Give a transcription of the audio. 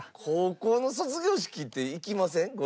高校の卒業式って行きません？